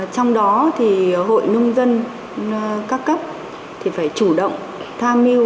trong đó thì hội nông dân các cấp thì phải chủ động tham mưu cho tỉnh